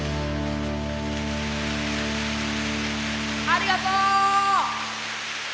ありがとう！